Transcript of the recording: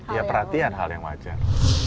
ya perhatian hal yang wajar